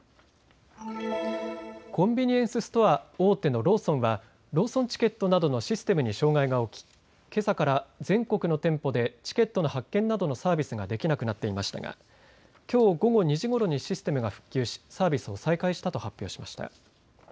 コンビニエンスストア大手のローソンはローソンチケットなどのシステムに障害が起きけさから全国の店舗でチケットの発券などのサービスができなくなっていましたがきょう午後２時ごろにシステムが復旧し、サービスを再開したと発表しました。